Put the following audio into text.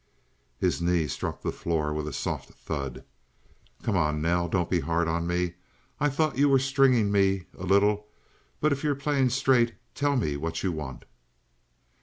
His knee struck the floor with a soft thud. "Come on, Nell. Don't be hard on me. I thought you were stringing me a little. But if you're playing straight, tell me what you want?"